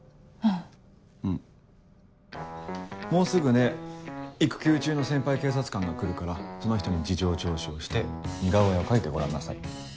もうすぐね育休中の先輩警察官が来るからその人に事情聴取をして似顔絵を描いてごらんなさい。